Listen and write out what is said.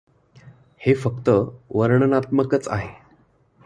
हे फक्त वर्णनात्मकच आहे.